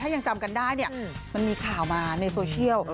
ถ้ายังจำกันได้เนี่ยมันมีข่าวมาในโซเชียล